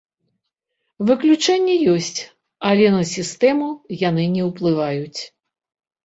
Выключэнні ёсць, але на сістэму яны не ўплываюць.